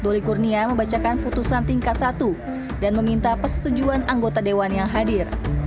doli kurnia membacakan putusan tingkat satu dan meminta persetujuan anggota dewan yang hadir